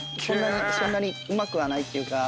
そんなにうまくはないっていうか。